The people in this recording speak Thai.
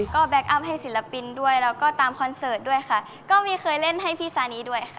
ก็แก๊คอัพให้ศิลปินด้วยแล้วก็ตามคอนเสิร์ตด้วยค่ะก็มีเคยเล่นให้พี่ซานีด้วยค่ะ